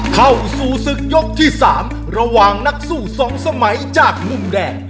เข้าสู่ศึกยกที่๓ระหว่างนักสู้๒สมัยจากมุมแดง